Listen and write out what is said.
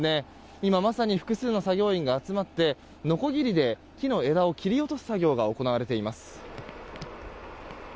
今、まさに複数の作業員が集まってのこぎりで木の枝を、切り落とす作業が行われています。